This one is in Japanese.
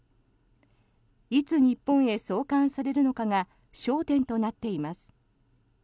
いつ、日本へ送還されるのかが焦点となっています。